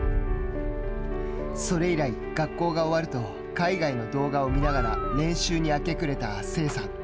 それ以来、学校が終わると海外の動画を見ながら練習に明け暮れた聖さん。